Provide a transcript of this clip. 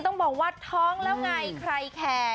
ต้องบอกว่าท้องแล้วไงใครแคร์